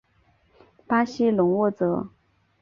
巴西隆沃泽。